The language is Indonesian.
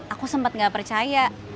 aku sempat nggak percaya